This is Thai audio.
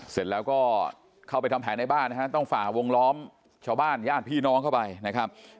เสร็จแล้วก็เข้าไปทำแผนในบ้านนะฮะต้องฝ่าวงล้อมชาวบ้านญาติพี่น้องเข้าไปนะครับ